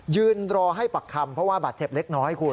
ยืนรอให้ปักคำเพราะว่าบาดเจ็บเล็กน้อยคุณ